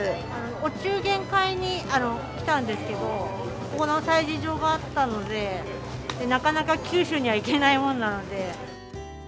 お中元を買いに来たんですけれども、ここの催事場があったので、なかなか九州には行けないもんなので。